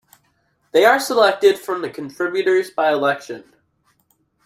They are selected from the Contributors by-election.